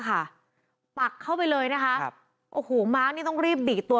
ปักเข้าไปเลยนะคะครับโอ้โหม้านี่ต้องรีบดีดตัว